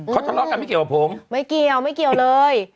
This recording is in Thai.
เขาทะเลาะกันไม่เกี่ยวกับผมไม่เกี่ยวไม่เกี่ยวเลย